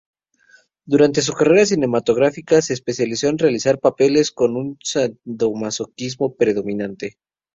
Durante su carrera cinematográfica se especializó en realizar papeles con un sadomasoquismo predominante.